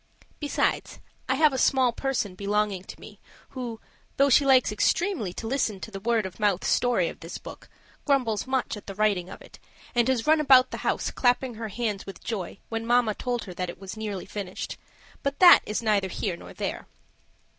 (Besides, I have a small person belonging to me, who, though she likes extremely to listen to the word of mouth story of this book, grumbles much at the writing of it, and has run about the house clapping her hands with joy when mamma told her that it was nearly finished. But that is neither here nor there.)